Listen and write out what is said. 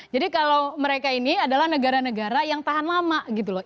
jadi kalau mereka ini adalah negara negara yang tahan lama gitu loh